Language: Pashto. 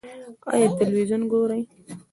ایا تلویزیون ګورئ؟